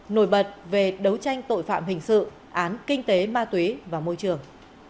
nổi bật về đấu tranh tội phạm hình sự án kinh tế ma túy và môi trường